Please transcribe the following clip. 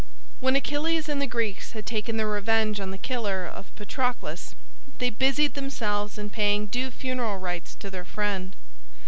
When Achilles and the Greeks had taken their revenge on the killer of Patroclus they busied themselves in paying due funeral rites to their friend.